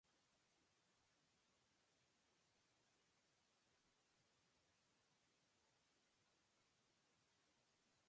He has been served as jury of International Culinary Competition.